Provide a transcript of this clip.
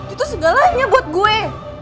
itu segalanya buat gue